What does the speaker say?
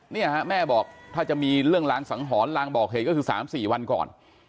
เนี่ยฮะแม่บอกถ้าจะมีเรื่องลางสังหรณ์ลางบอกเหตุก็คือ๓๔วันก่อน